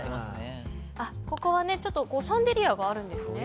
ここはシャンデリアがあるんですね。